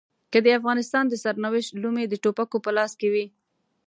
که د افغانستان د سرنوشت لومې د ټوپکو په لاس کې وي.